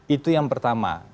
itu yang pertama